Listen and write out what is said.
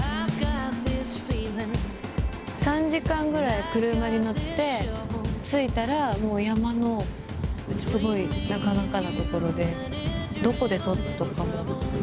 ３時間ぐらい車に乗って着いたらもう山のすごいなかなかな所で。